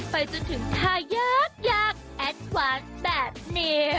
ไปจนถึงท่ายากแอดวานแบบนี้